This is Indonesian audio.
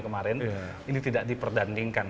kemarin ini tidak diperdandingkan